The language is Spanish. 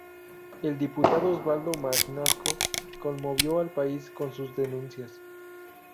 El diputado Osvaldo Magnasco conmovió al país con sus denuncias.